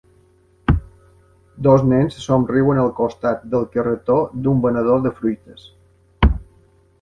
Dos nens somriuen al costat del carretó d'un venedor de fruites.